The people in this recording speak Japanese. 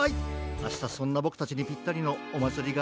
あしたそんなボクたちにぴったりのおまつりがあるらしい。